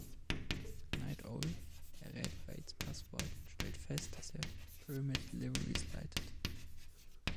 Nite Owl errät Veidts Passwort und stellt fest, dass er Pyramid Deliveries leitet.